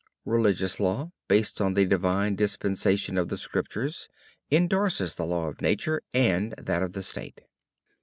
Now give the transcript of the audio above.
Religious law, based on the divine dispensation of the Scriptures, indorses the law of nature and that of the state.